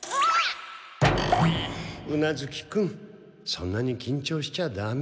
そんなにきんちょうしちゃダメ。